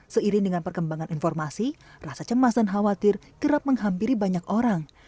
seiring dengan perkembangan informasi rasa cemas dan khawatir kerap menghampiri banyak orang